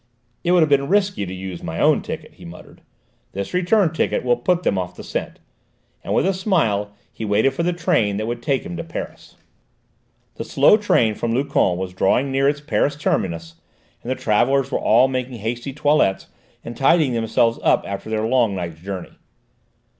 "It would have been risky to use my own ticket," he muttered. "This return ticket will put them off the scent," and with a smile he waited for the train that would take him to Paris. The slow train from Luchon was drawing near its Paris terminus and the travellers were all making hasty toilettes and tidying themselves up after their long night journey.